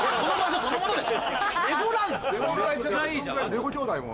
レゴ兄弟も。